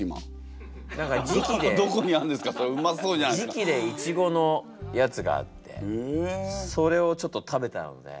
時期でイチゴのやつがあってそれをちょっと食べたので。